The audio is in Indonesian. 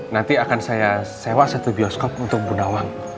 nanti akan saya sewa satu bioskop untuk bu nawang